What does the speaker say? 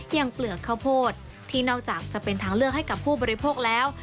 เปลือกข้าวโพดที่นอกจากจะเป็นทางเลือกให้กับผู้บริโภคแล้ว